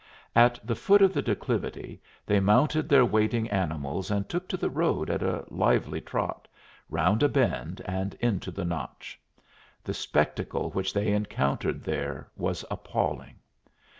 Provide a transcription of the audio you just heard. At the foot of the declivity they mounted their waiting animals and took to the road at a lively trot, round a bend and into the Notch. The spectacle which they encountered there was appalling!